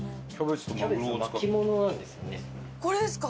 これですか？